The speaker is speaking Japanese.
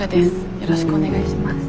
よろしくお願いします。